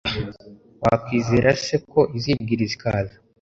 wakwizera se ko izibwiriza ikaza